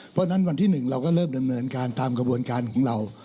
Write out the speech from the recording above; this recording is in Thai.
เพราะฉะนั้นวันที่๑เราก็เริ่มดำเนินการตามกระบวนการของเรา